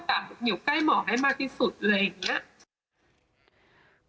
เราก็จะอยู่ใกล้หมอให้มากที่สุดเลยอย่างนี้